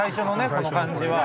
この感じは。